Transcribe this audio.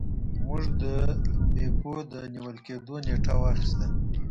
موږ د بیپو د نیول کیدو نیټه واخیسته.